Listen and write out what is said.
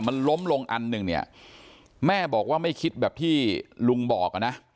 มันล้มลงอันหนึ่งเนี่ยแม่บอกว่าไม่คิดแบบที่ลุงบอกอ่ะนะ